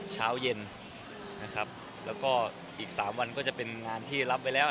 เช้าเย็นนะครับแล้วก็อีก๓วันก็จะเป็นงานที่รับไว้แล้ว